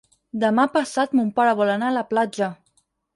Demà passat mon pare vol anar a la platja.